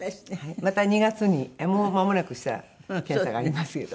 また２月にもうまもなくしたら検査がありますけど。